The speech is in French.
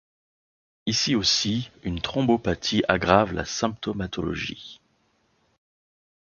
Ici aussi, une thrombopathie aggrave la symptomatologie.